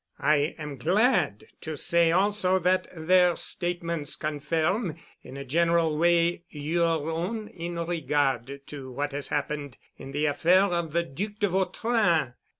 I am glad to say also that their statements confirm in a general way your own in regard to what has happened in the affair of the Duc de Vautrin.